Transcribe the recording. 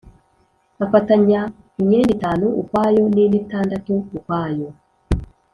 Afatanya imyenda itanu ukwayo n indi itandatu ukwayo